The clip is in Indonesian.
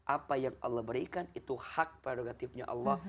apa yang allah berikan itu hak prerogatifnya allah